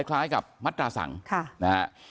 คล้ายกับมัตราสังนะฮะ